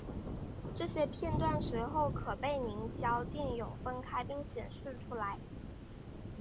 这些片断随后可被凝胶电泳分开并显示出来。